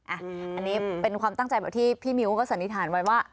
อันนี้เป็นความตั้งใจแบบที่พี่มิ้วก็สันนิษฐานไว้ว่า